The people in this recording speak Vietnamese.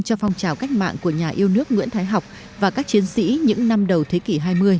cho phong trào cách mạng của nhà yêu nước nguyễn thái học và các chiến sĩ những năm đầu thế kỷ hai mươi